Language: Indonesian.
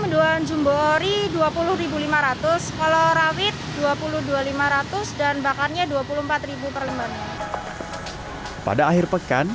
mendoan jumbori dua puluh lima ratus kalau rawit dua puluh dua ribu lima ratus dan bakarnya dua puluh empat ribu per lembar pada akhir pekan